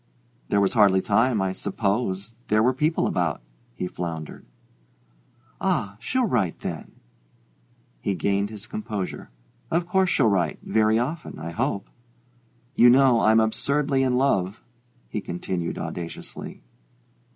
"There was hardly time, I suppose there were people about " he floundered. "Ah, she'll write, then." He regained his composure. "Of course she'll write: very often, I hope. You know I'm absurdly in love," he cried audaciously.